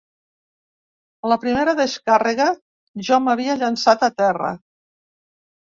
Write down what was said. A la primera descàrrega, jo m'havia llançat a terra